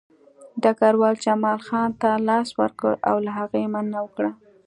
ډګروال جمال خان ته لاس ورکړ او له هغه یې مننه وکړه